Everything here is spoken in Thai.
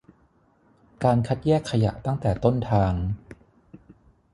การคัดแยกขยะตั้งแต่ต้นทาง